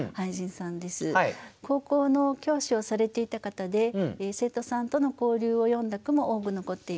高校の教師をされていた方で生徒さんとの交流を詠んだ句も多く残っています。